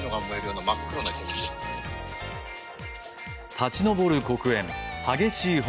立ち上る黒煙、激しい炎。